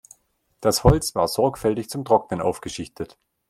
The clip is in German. Das Holz war sorgfältig zum Trocknen aufgeschichtet.